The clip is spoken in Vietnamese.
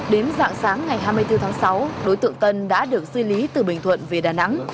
đến dạng sáng ngày hai mươi bốn tháng sáu đối tượng tân đã được di lý từ bình thuận về đà nẵng